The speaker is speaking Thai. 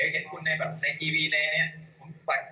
เห็นคุณในแบบในทีวีในนี้